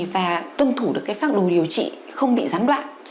và tuân thủ được pháp đồ điều trị không bị gián đoạn